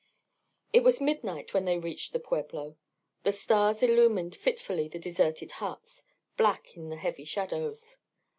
It was midnight when they reached the pueblo. The stars illumined fitfully the deserted huts, black in the heavy shadows.